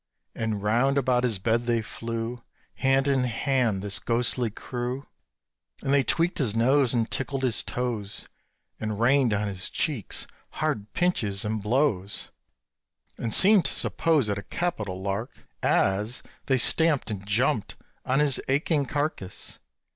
And round about his bed they flew Hand in hand, this ghostly crew; And they tweaked his nose, And tickled his toes, And rained on his cheeks hard pinches and blows; And seemed to suppose it a capital lark, as They stamped and jumped on his aching carcase.